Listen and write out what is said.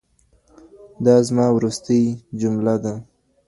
دا زما وروستۍ جمله ده.